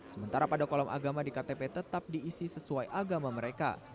sementara pada kolom agama di ktp tetap diisi sesuai agama mereka